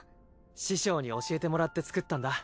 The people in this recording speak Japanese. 師匠に教えてもらって作ったんだ。